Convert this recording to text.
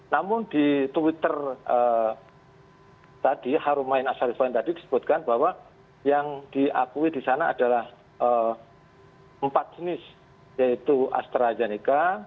namun di twitter tadi harumain asarifin tadi disebutkan bahwa yang diakui di sana adalah empat jenis yaitu astrazeneca